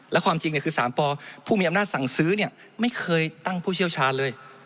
และความจริงคือ๓ปผู้มีอำนาจสั่งซื้อไม่เคยตั้งผู้เชี่ยวชาญเลย